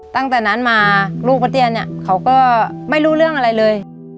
ตั้งแต่นั้นมาลูกประเตี้ยเนี่ยเขาก็ไม่รู้เรื่องอะไรเลย